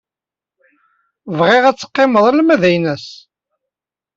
Bɣiɣ ad teqqimed arma d aynas.